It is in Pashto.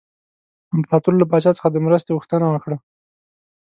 امپراطور له پاچا څخه د مرستې غوښتنه وکړه.